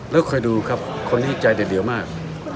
แล้วคอยดูครับคนนี้ใจเด็ดเดียวมาก